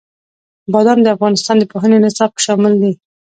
بادام د افغانستان د پوهنې نصاب کې شامل دي.